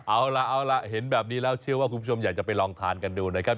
เอาล่ะเอาล่ะเห็นแบบนี้แล้วเชื่อว่าคุณผู้ชมอยากจะไปลองทานกันดูนะครับ